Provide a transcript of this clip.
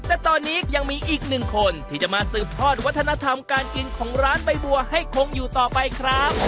แต่ตอนนี้ยังมีอีกหนึ่งคนที่จะมาสืบทอดวัฒนธรรมการกินของร้านใบบัวให้คงอยู่ต่อไปครับ